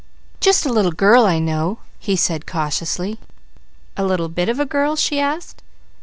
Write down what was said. "Just a little girl I know," he said cautiously. "A little bit of a girl?" she asked.